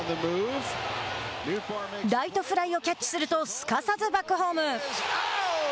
ライトフライをキャッチするとすかさずバックホーム。